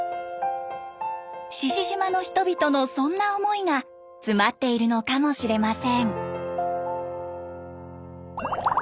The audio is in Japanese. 志々島の人々のそんな思いが詰まっているのかもしれません。